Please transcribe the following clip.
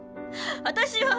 私は。